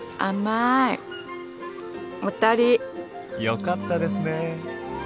よかったですね。